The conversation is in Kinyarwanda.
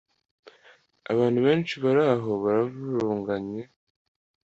abantu benshi bari aho baravurunganye.